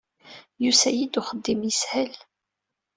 Yusa-iyi-d uxeddim yeshel.